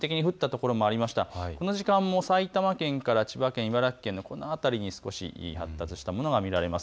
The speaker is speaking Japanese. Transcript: この時間も埼玉県から千葉県、茨城県、この辺りに少し発達したものが見られます。